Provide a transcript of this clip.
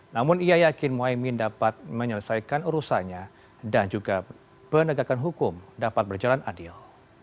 namun ia yakin muhaymin dapat menyelesaikan urusannya dan juga penegakan hukum dapat berjalan adil